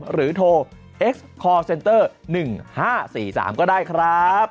โทรเอ็กซ์คอร์เซนเตอร์๑๕๔๓ก็ได้ครับ